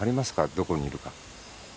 どこにいるか。